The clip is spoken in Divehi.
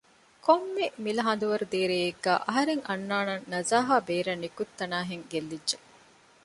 ކޮންމެ މިލަހަނދުވަރު ދޭ ރެއެއްގައި އަހަރެން އަންނާނަން ނަޒާހާ ބޭރަށް ނިކުތްތަނާހެން ގެއްލިއްޖެ